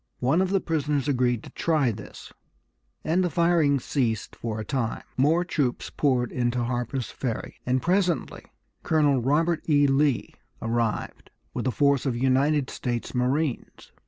One of the prisoners agreed to try this, and the firing ceased for a time. More troops poured into Harper's Ferry, and presently Colonel Robert E. Lee arrived with a force of United States marines.